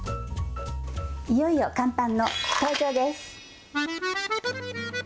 いよいよ乾パンの登場です。